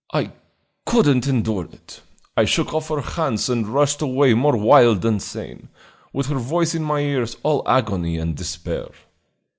I could n't endure it! I shook off her hands and rushed away more wild than sane, with her voice in my ears all agony and despair."